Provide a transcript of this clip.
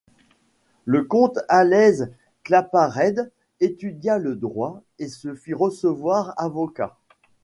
Le comte Hallez-Claparède étudia le droit et se fit recevoir avocat.